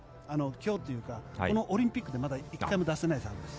今日というかこのオリンピックでまだ１回も出していないサービスです。